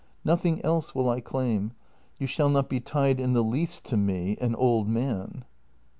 Nothing else will I claim; you shall not be tied in the least to me — an old man."